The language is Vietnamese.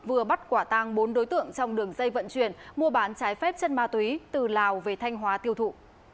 vừa bắt quả tăng bốn đối tượng trong đường dây vận chuyển mua bán trái phép chất ma túy từ lào về thanh hóa tiêu thụ